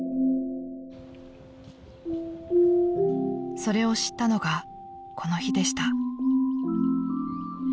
［それを知ったのがこの日でした］